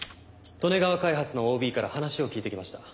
利根川開発のＯＢから話を聞いてきました。